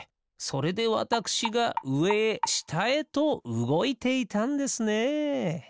それでわたくしがうえへしたへとうごいていたんですね。